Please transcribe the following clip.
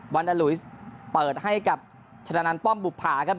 วันอหรุยเปิดให้กับชนานนัทป้อมบุกพ่าครับ